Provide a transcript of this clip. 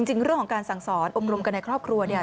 จริงเรื่องของการสั่งสอนอบรมกันในครอบครัวเนี่ย